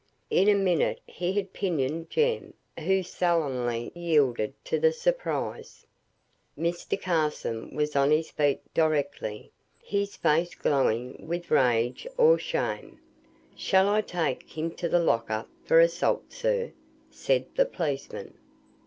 In a minute he had pinioned Jem, who sullenly yielded to the surprise. Mr. Carson was on his feet directly, his face glowing with rage or shame. "Shall I take him to the lock ups for assault, sir?" said the policeman.